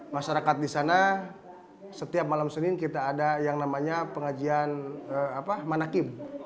masyarakat di sana setiap malam senin kita ada yang namanya pengajian manakim